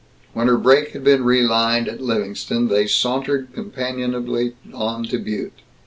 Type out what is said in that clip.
When her brake had been relined, at Livingston, they sauntered companionably on to Butte.